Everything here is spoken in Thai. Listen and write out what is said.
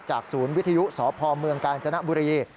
ศูนย์วิทยุสพเมืองกาญจนบุรี